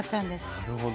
なるほど。